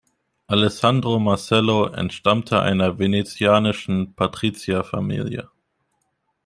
Alessandro Marcello entstammte einer venezianischen Patrizierfamilie.